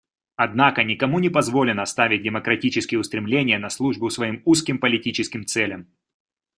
Однако никому не позволено ставить демократические устремления на службу своим узким политическим целям.